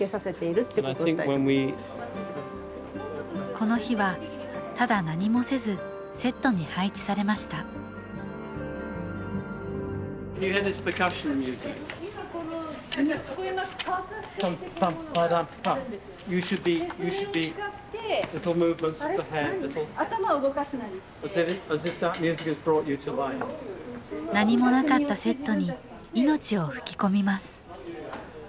この日はただ何もせずセットに配置されました何もなかったセットに「命」を吹き込みます